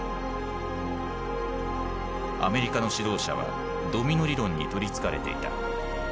アメリカの指導者は「ドミノ理論」に取りつかれていた。